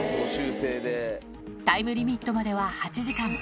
タイムリミットまでは８時間。